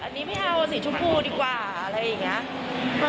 อันนี้ไม่เอาสีชมพูดีกว่าอะไรอย่างนี้